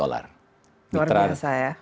luar biasa ya